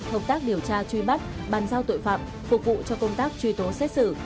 hợp tác điều tra truy bắt bàn giao tội phạm phục vụ cho công tác truy tố xét xử